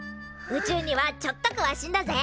宇宙にはちょっとくわしいんだぜ。